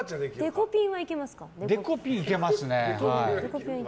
デコピンいけますね。